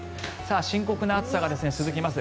深刻な暑さが続きます。